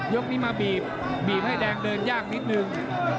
ยกนี้มาบีบบีบให้แดงเดินยากนิดนึง